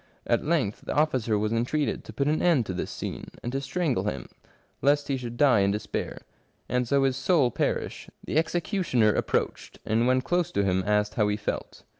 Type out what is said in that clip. At length the officer was entreated to put an end to this scene, and to strangle him, lest he should die in despair, and so his soul perish. The executioner approached, and when close to him asked how he felt.